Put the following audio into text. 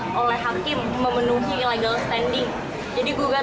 alhamdulillahirrahmanirrahim gugatan past action yang kami ajukan